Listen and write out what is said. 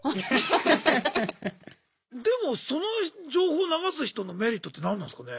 でもその情報を流す人のメリットって何なんすかね？